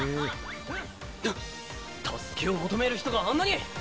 んっ助けを求める人があんなに！